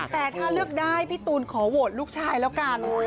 แต่ถ้าเลือกได้พี่ตูนขอโหวตลูกชายแล้วกัน